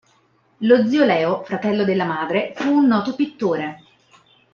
Lo zio Leo, fratello della madre, fu un noto pittore.